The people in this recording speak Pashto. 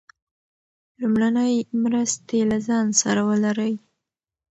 لومړنۍ مرستې له ځان سره ولرئ.